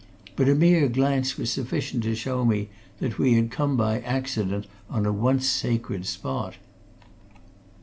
But a mere glance was sufficient to show me that we had come by accident on a once sacred spot.